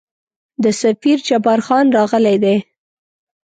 د سفیر جبارخان راغلی دی.